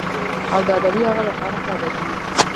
او د ادبي هغه به خامخا ادبي وي.